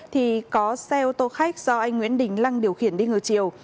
thì có xe ô tô khách do anh nguyễn đình lăng điều khiển đi ngược chiều